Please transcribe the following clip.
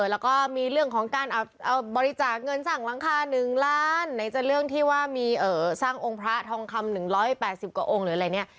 แล้วก็มีเรื่องของการบริจาคเงินสร้างหลังคา๑ล้านไหนจะเรื่องที่ว่ามีสร้างองค์พระทองคำ๑๘๐กว่าองค์หรืออะไรเนี่ย